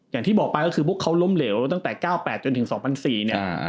อย่างที่บอกไปก็คือพวกเขาล้มเหลวตั้งแต่๙๘จนถึง๒๐๐๔เนี่ย